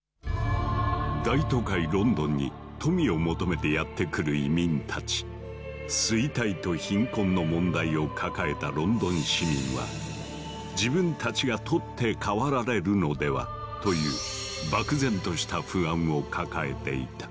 大都会ロンドンに衰退と貧困の問題を抱えたロンドン市民は自分たちが取って代わられるのでは？という漠然とした不安を抱えていた。